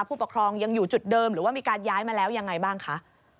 ผู้ปกครองยังอยู่จุดเดิมหรือว่ามีการย้ายมาแล้วยังไงบ้างคะ